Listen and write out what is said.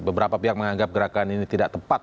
beberapa pihak menganggap gerakan ini tidak tepat